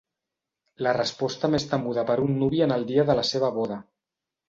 La resposta més temuda per un nuvi en el dia de la seva boda.